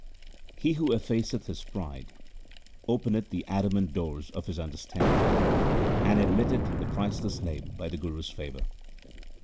He who effaceth his pride openeth the adamant doors of his understanding, And admitteth the priceless Name by the Guru's favour.